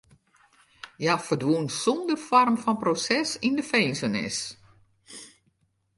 Hja ferdwûn sonder foarm fan proses yn de finzenis.